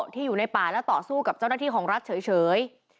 อยู่ในป่าและต่อสู้กับเจ้าหน้าที่ของรัฐเฉย